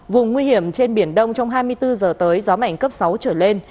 vùng nguy hiểm trên biển đông trong hai mươi bốn giờ tới gió mạnh cấp sáu trở lên